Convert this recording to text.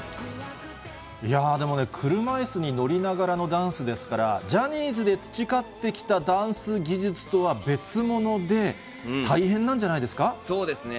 いや、でもね、車いすに乗りながらのダンスですから、ジャニーズで培ってきたダンス技術とは別物で、大変なんじゃないそうですね。